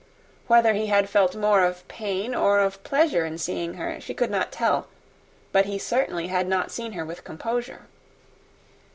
Whether he had felt more of pain or of pleasure in seeing her, she could not tell, but he certainly had not seen her with composure.